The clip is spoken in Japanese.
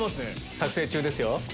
作成中ですよ。